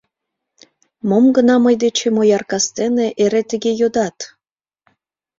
Мом гына мый дечем ояр кастене эре тыге йодат?